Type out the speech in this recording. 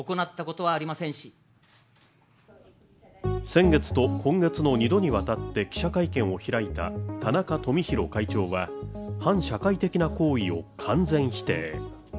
先月と今月の２度にわたって記者会見を開いた田中富広会長は反社会的な行為を完全否定。